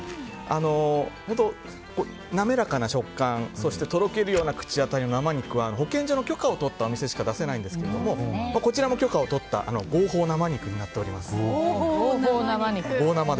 本当、滑らかな食感そしてとろけるような口当たりの生肉は保健所の許可を取ったお店しか出せないんですがこちらも許可を取った合法生肉となっております。